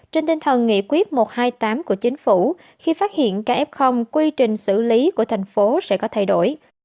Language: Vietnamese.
trên tinh thần nghị quyết một trăm hai mươi tám của chính phủ khi phát hiện kf quy trình xử lý của thành phố sẽ có thay đổi